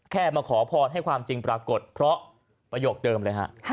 มาขอพรให้ความจริงปรากฏเพราะประโยคเดิมเลยฮะ